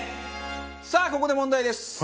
さあここで問題です。